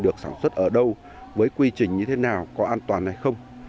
được sản xuất ở đâu với quy trình như thế nào có an toàn hay không